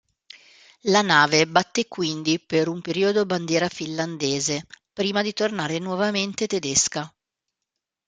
La nave batté quindi per un periodo bandiera finlandese prima di tornare nuovamente tedesca.